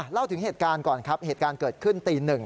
เล่าถึงเหตุการณ์ก่อนครับเหตุการณ์เกิดขึ้นตีหนึ่ง